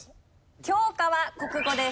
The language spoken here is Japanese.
教科は国語です。